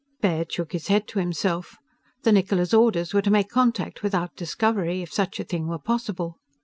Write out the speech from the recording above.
_" Baird shook his head, to himself. The Niccola's orders were to make contact without discovery, if such a thing were possible.